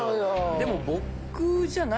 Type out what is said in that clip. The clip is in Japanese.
でも。